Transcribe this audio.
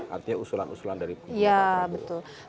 artinya usulan usulan dari pak prabowo